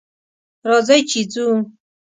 راځئ چې ځو